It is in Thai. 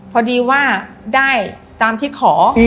พอดีว่าได้ตามที่ขอ